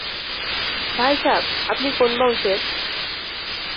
ভাই সাব, আপনি কোন বংশের?